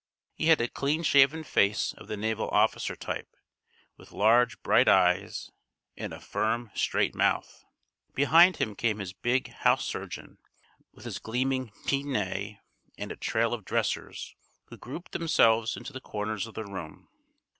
He had a clean shaven face, of the naval officer type, with large, bright eyes, and a firm, straight mouth. Behind him came his big house surgeon, with his gleaming pince nez, and a trail of dressers, who grouped themselves into the corners of the room.